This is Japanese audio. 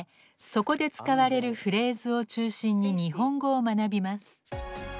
そこで使われるフレーズを中心に日本語を学びます。